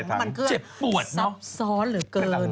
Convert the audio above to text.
นั่งกรมันเครื่อง